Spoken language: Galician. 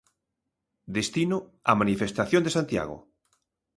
Destino: a manifestación de Santiago.